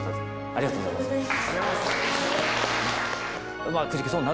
ありがとうございます。